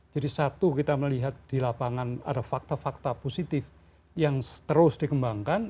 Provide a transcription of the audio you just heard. jadi satu kita melihat di lapangan ada fakta fakta positif yang terus dikembangkan